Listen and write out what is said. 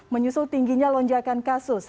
menyusul tingginya lonjakan kasus